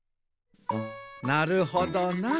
なるほどな。